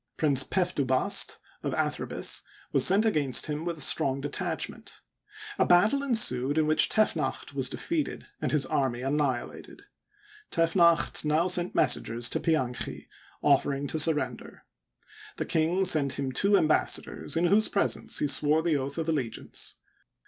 Prince Pefdubast, of Athribis, was sent against him with a strong detach ment. A battle ensued, in which Tefnacht was defeated and his army annihilated. Tefnacht now sent messengers to Pianchi, offering to surrender. The king sent him two ambassadors, in whose presence he swore the oath of allegiance.